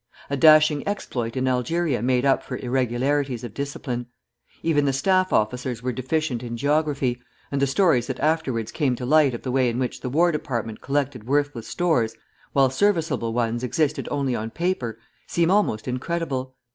A dashing exploit in Algeria made up for irregularities of discipline. Even the staff officers were deficient in geography, and the stories that afterwards came to light of the way in which the War Department collected worthless stores, while serviceable ones existed only on paper, seem almost incredible.